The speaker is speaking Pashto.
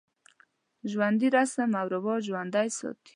ژوندي رسم و رواج ژوندی ساتي